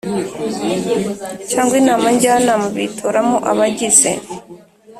Cyangwa inama njyanama bitoramo abagize